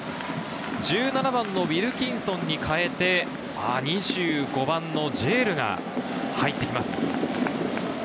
１７番のウィルキンソンに代えて、２５番のジェールが入ってきます。